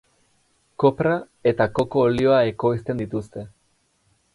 Kopra eta koko olioa ekoizten dituzte.